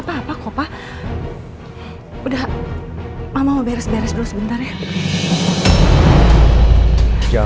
papa yang keterlaluan itu kamu